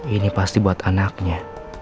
ini pasti buat anaknya